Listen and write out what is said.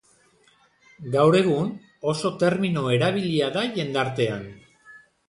Gaur egun oso termino erabilia da jendartean.